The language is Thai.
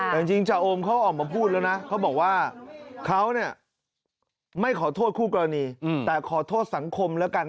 แต่จริงจ่าโอมเขาออกมาพูดแล้วนะเขาบอกว่าเขาเนี่ยไม่ขอโทษคู่กรณีแต่ขอโทษสังคมแล้วกัน